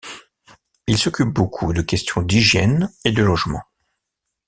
Il s'occupe beaucoup de questions d'hygiène et de logement.